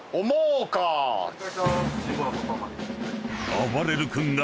［あばれる君が］